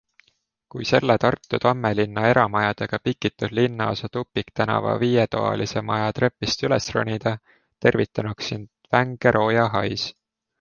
Kui selle Tartu Tammelinna eramajadega pikitud linnaosa tupiktänava viietoalise maja trepist üles ronida, tervitanuks sind vänge roojahais.